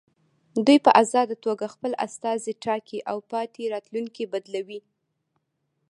دوی په ازاده توګه خپل استازي ټاکي او پاتې راتلونکي بدلوي.